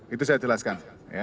itu saya jelaskan